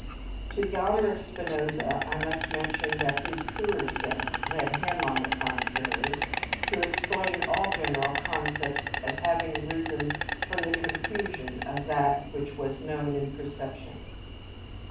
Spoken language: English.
To the honour of Spinoza, I must mention that his truer sense led him, on the contrary, to explain all general concepts as having arisen from the confusion of that which was known in perception (Eth.